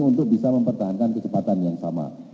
untuk bisa mempertahankan kecepatan yang sama